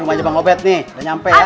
emangnya bang obed nih udah nyampe ya